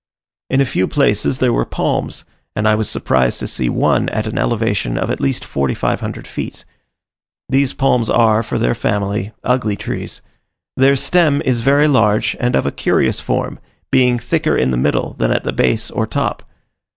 In a few places there were palms, and I was surprised to see one at an elevation of at least 4500 feet. These palms are, for their family, ugly trees. Their stem is very large, and of a curious form, being thicker in the middle than at the base or top.